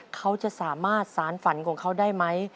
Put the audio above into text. เขาจะสามารถสารฝันของเขาได้ไหม